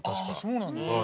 そうなんですか。